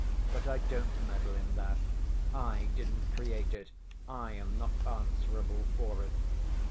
But I don't meddle in that, I didn't create it, I am not answerable for it.